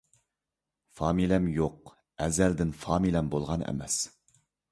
فامىلەم يوق، ئەزەلدىن فامىلەم بولغان ئەمەس.